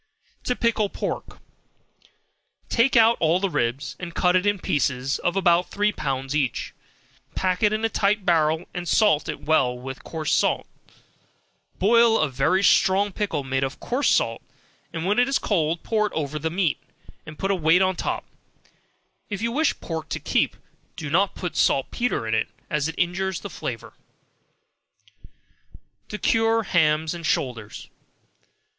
To Pickle Pork. Take out all the ribs, and cut it in pieces of about three pounds each; pack it in a tight barrel, and salt it well with coarse salt; boil a very strong pickle made of coarse salt, and when it is cold pour it over the meat, and put a weight on the top; if you wish pork to keep, do not put saltpetre in, as it injures the flavor. To Cure Hams and Shoulders.